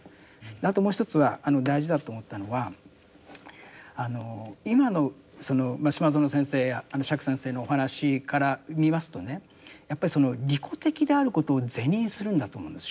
あともう一つは大事だと思ったのはあの今のその島薗先生や釈先生のお話から見ますとねやっぱりその利己的であることを是認するんだと思うんです宗教が。